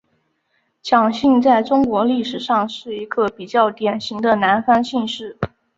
蒋姓在中国历史上是一个比较典型的南方姓氏。